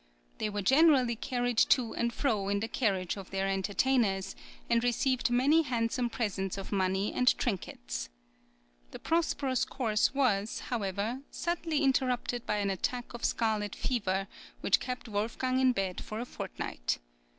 They were generally carried to and fro in the carriage of their entertainers, and received many handsome presents of money and trinkets. This prosperous course {SECOND JOURNEY, 1763.} (29) was, however, suddenly interrupted by an attack of scarlet fever, which kept Wolfgang in bed for a fortnight.